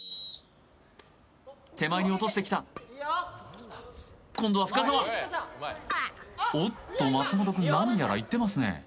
手前に落としてきた今度は深澤おっと松本くん何やら言ってますね